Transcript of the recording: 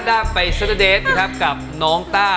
ได้ไปสัตว์เดทกับน้องต้า